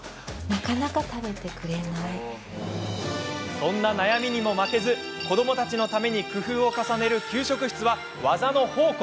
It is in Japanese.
そんな悩みにも負けず子どもたちのために工夫を重ねる給食室はワザの宝庫。